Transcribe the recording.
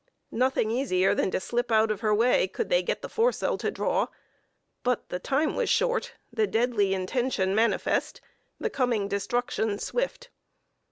Nothing easier than to slip out of her way could they get the foresail to draw; but the time was short, the deadly intention manifest, the coming destruction swift.